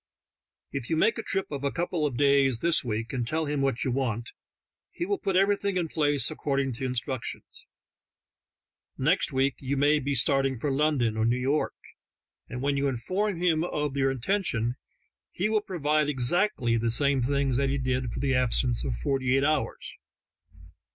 If you make a trip of a couple of days this week, and tell him what you want, he will put everything in place according to instructions. Next week you may be starting for London or New York, and when you inform him of your intention he will provide exactly the same things that he did for the absence of forty eight hours.